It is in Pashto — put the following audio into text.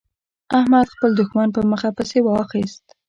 احمد خپل دوښمن په مخه پسې واخيست.